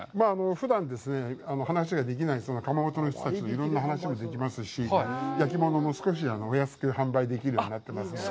ふだん話ができない窯元の人たちといろんな話ができますし、焼き物も少しお安く販売できるようになっていますので。